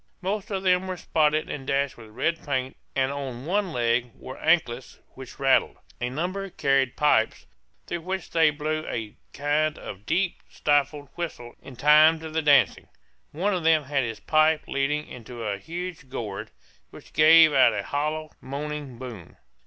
Most of them were spotted and dashed with red paint, and on one leg wore anklets which rattled. A number carried pipes through which they blew a kind of deep stifled whistle in time to the dancing. One of them had his pipe leading into a huge gourd, which gave out a hollow, moaning boom.